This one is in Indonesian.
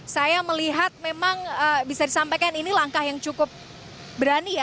saya melihat memang bisa disampaikan ini langkah yang cukup berani ya